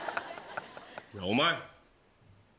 お前！